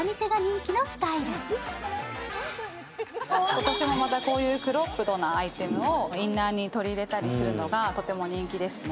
今年もまたこういうクロップドなアイテムをインナーに取り入れたりするのがとても人気ですね。